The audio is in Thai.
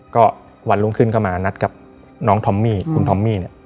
ก็วันรุ่งขึ้นก็มานัดกับน้องทอมมี่คุณทอมมี่เนี่ย